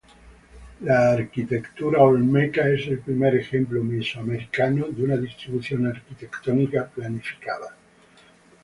La arquitectura olmeca es el primer ejemplo mesoamericano de una distribución arquitectónica planificada.